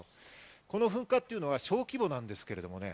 この噴火というの小規模なんですけどね。